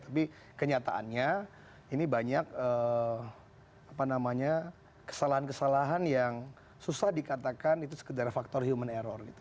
tapi kenyataannya ini banyak kesalahan kesalahan yang susah dikatakan itu sekedar faktor human error gitu